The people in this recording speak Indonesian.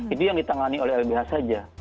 itu yang ditangani oleh lbh saja